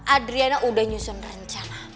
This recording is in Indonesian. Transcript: adriana udah nyusun rencana